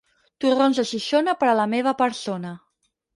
Torrons de Xixona per a la meva persona.